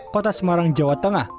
kota semarang jawa tengah